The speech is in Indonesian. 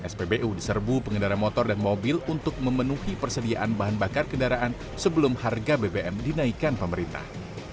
spbu diserbu pengendara motor dan mobil untuk memenuhi persediaan bahan bakar kendaraan sebelum harga bbm dinaikkan pemerintah